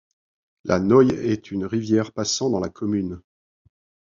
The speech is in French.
La Noye est la rivière passant dans la commune.